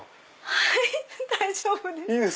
はい大丈夫です。